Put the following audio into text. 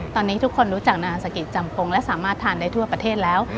ตอนนี้ทุกคนรู้จักนายอัศกิจจำปงและสามารถทานได้ทั่วประเทศแล้ว